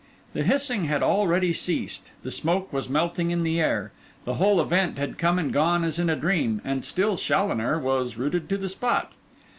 The hissing had already ceased, the smoke was melting in the air, the whole event had come and gone as in a dream, and still Challoner was rooted to the spot.